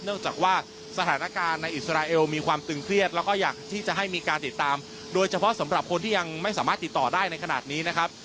จากว่าสถานการณ์ในอิสราเอลมีความตึงเครียดแล้วก็อยากที่จะให้มีการติดตามโดยเฉพาะสำหรับคนที่ยังไม่สามารถติดต่อได้ในขณะนี้นะครับ